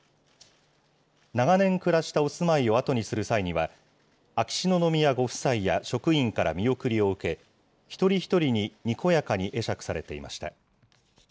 長年暮らしたお住まいをあとにする際には、秋篠宮ご夫妻や職員から見送りを受け、一人一人ににこやかに会釈されていました。